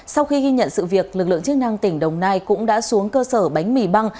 sau khi ghi nhận sự việc lực lượng chức năng tỉnh đồng nai cũng đã xuống cơ sở bánh mì băng